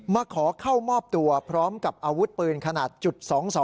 มาขอเข้ามอบตัวพร้อมกับอาวุธปืนขนาดจุด๒๒